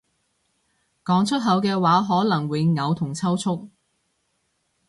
講出口嘅話可能會嘔同抽搐